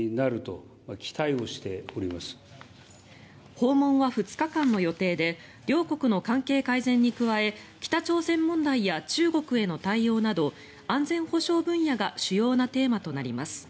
訪問は２日間の予定で両国の関係改善に加え北朝鮮問題や中国への対応など安全保障分野が主要なテーマとなります。